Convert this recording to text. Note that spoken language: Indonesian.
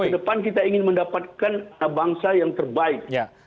jadi ke depan kita ingin mendapatkan anak bangsa yang terbaik